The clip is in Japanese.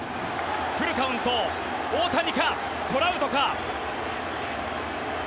フルカウント大谷か、トラウトか。